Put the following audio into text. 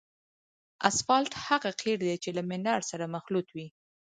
اسفالټ هغه قیر دی چې له منرال سره مخلوط وي